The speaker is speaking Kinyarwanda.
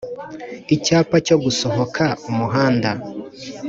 icyapa cyo gusohoka umuhanda